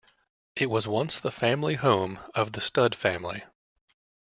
It was once the family home of the Studd family.